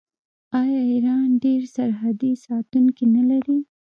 آیا ایران ډیر سرحدي ساتونکي نلري؟